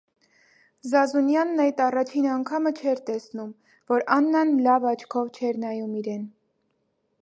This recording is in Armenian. Զազունյանն այդ առաջին անգամը չէր տեսնում, որ Աննան լավ աչքով չէր նայում իրեն: